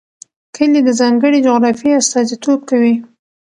کلي د ځانګړې جغرافیې استازیتوب کوي.